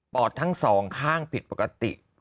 ปอดทั้ง๒ข้างผิดปกติ